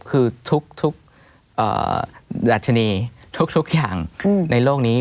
คือทุกดัชนีทุกอย่างในโลกนี้